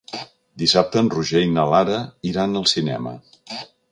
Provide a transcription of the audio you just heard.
Dissabte en Roger i na Lara iran al cinema.